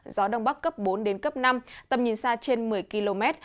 gió đông bắc cấp bốn đến cấp năm tầm nhìn xa trên một mươi km